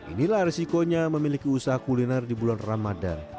inilah resikonya memiliki usaha kuliner di bulan ramadan